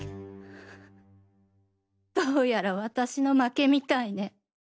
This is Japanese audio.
どうやら私の負けみたいね。